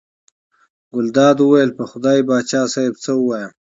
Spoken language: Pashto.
ګلداد وویل: په خدای پاچا صاحب څه ووایم.